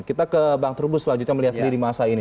kita ke bang trubus selanjutnya melihat lini masa ini